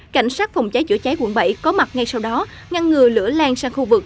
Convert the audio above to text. cảnh sát phòng cháy chữa cháy quận bảy có mặt ngay sau đó ngăn ngừa lửa lan sang khu vực